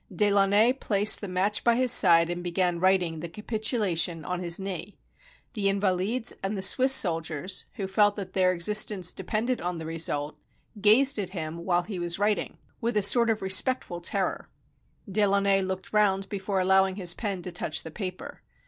De Launay placed the match by his side, and began writing the capitulation on his knee. The InvaKdes and the Swiss soldiers, who felt that their existence depended on the result, gazed at him while he was writing, with a 290 THE FALL OF THE BASTILLE sort of respectful terror. De Launay looked round be fore allowing his pen to touch the paper.